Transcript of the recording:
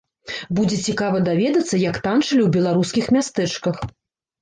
Будзе цікава даведацца, як танчылі ў беларускіх мястэчках.